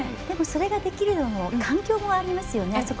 でも、それができるのは環境もありますよね。